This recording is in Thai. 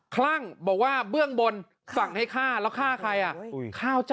คลั่งบอกว่าเบื้องบนสั่งให้ฆ่าแล้วฆ่าใครอ่ะ